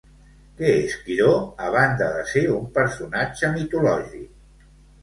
Què és Quiró, a banda de ser un personatge mitològic?